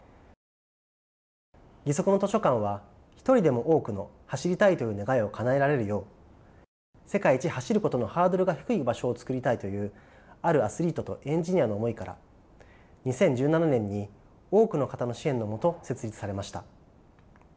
ギソクの図書館は一人でも多くの走りたいという願いをかなえられるよう世界一走ることのハードルが低い場所を作りたいというあるアスリートとエンジニアの思いから２０１７年に多くの方の支援の下設立されました。